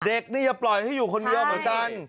เด็กนี่อย่าปล่อยให้อยู่คนเดียวเหมือนกัน